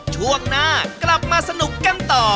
ช่วงหน้ากลับมาสนุกกันต่อ